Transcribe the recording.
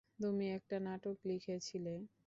তুমি একটা নাটক লিখেছিলে।